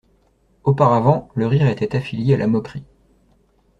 Auparavant, le rire était affilié à la moquerie.